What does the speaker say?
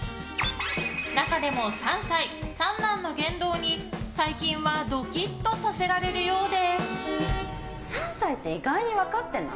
中でも３歳、三男の言動に最近はドキッとさせられるようで。